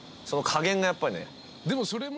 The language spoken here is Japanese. その加減がやっぱりね。